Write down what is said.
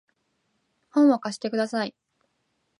本を貸してください